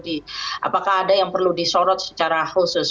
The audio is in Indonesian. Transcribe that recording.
bagaimana jalannya sidang apakah ada yang perlu disorot secara khusus